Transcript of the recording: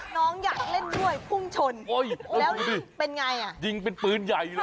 น้องอยากเล่นด้วยพุ่งชนโอ้ยแล้วดิเป็นไงอ่ะยิงเป็นปืนใหญ่เลย